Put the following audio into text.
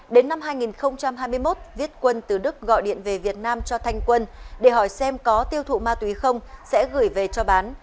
đến năm hai nghìn hai mươi một viết quân từ đức gọi điện về việt nam cho thanh quân để hỏi xem có tiêu thụ ma túy không sẽ gửi về cho bán